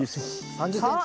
３０ｃｍ。